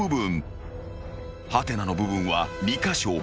［はてなの部分は２カ所］